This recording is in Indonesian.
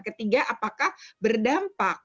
ketiga apakah berdampak